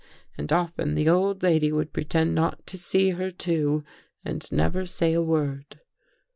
And often the old lady would pretend not to see her too and never say a word.